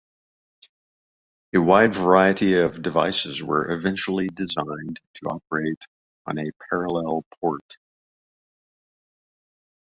A wide variety of devices were eventually designed to operate on a parallel port.